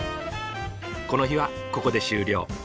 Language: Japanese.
この日はここで終了。